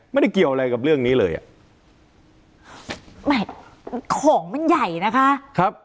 ไม่ได้เกี่ยวอะไรกับเรื่องนี้เลยอ่ะแหม่ของมันใหญ่นะคะครับ